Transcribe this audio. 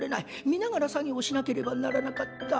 見ながら作業しなければならなかった。